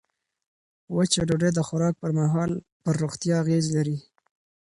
وچه ډوډۍ د خوراک پر مهال پر روغتیا اغېز لري.